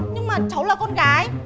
nhưng mà cháu là con gái